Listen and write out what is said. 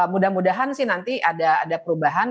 mudah mudahan sih nanti ada perubahan